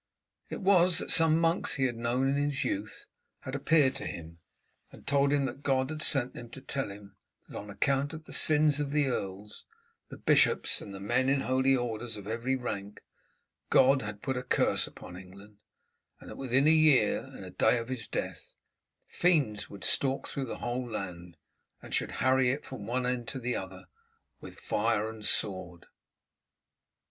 It was that some monks he had known in his youth had appeared to him, and told him that God had sent them to tell him that on account of the sins of the earls, the bishops, and the men in holy orders of every rank, God had put a curse upon England, and that within a year and a day of his death fiends should stalk through the whole land, and should harry it from one end to another with fire and sword.